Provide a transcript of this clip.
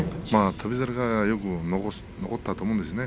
翔猿はよく残ったと思うんですよね。